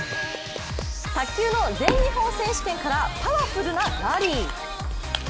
卓球の全日本選手権からパワフルなラリー。